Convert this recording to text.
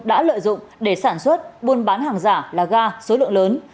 đã lợi dụng để sản xuất buôn bán hàng giả là ga số lượng lớn